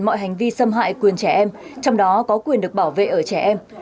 mọi hành vi xâm hại quyền trẻ em trong đó có quyền được bảo vệ ở trẻ em